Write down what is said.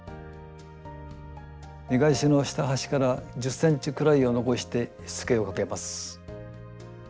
見返しの下端から１０ｃｍくらいを残してしつけをかけます。